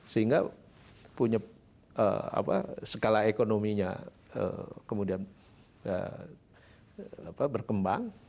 sehingga punya skala ekonominya kemudian berkembang